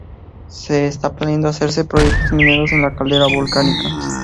Se está planeando hacerse proyectos mineros en la caldera volcánica.